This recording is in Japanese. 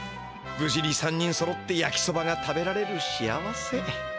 ぶじに３人そろってやきそばが食べられる幸せ。